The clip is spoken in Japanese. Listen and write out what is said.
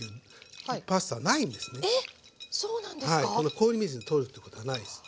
氷水にとるっていうことはないです。